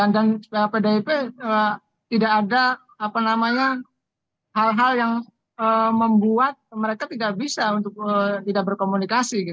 dan pdip tidak ada apa namanya hal hal yang membuat mereka tidak bisa untuk tidak berkomunikasi